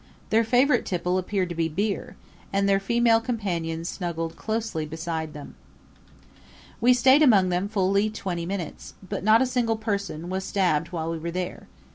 Their favorite tipple appeared to be beer; and their female companions snuggled closely beside them. We stayed among them fully twenty minutes, but not a single person was stabbed while we were there.